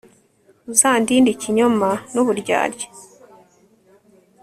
uzandinde ikinyoma n'uburyarya